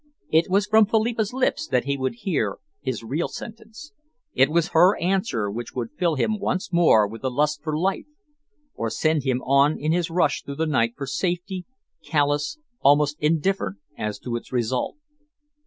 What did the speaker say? It was from Philippa's lips that he would hear his real sentence; it was her answer which would fill him once more with the lust for life, or send him on in his rush through the night for safety, callous, almost indifferent as to its result.